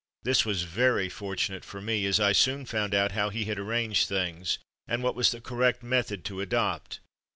This was very fortunate for me as I soon found out how he had arranged things, and what was the correct method to adopt.